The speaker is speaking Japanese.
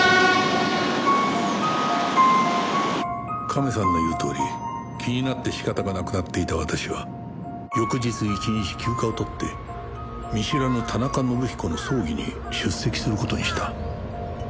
カメさんの言うとおり気になって仕方がなくなっていた私は翌日１日休暇を取って見知らぬ田中伸彦の葬儀に出席する事にした